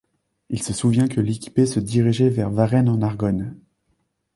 Il se souvient que l'équipée se dirigeait vers Varennes-en-Argonne.